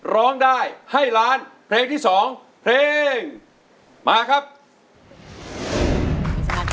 เรียบให้น้ำมา